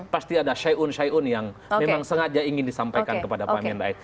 pasti ada syaiun syaiun yang memang sengaja ingin disampaikan kepada pak amin rais